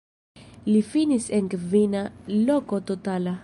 Li finis en kvina loko totala.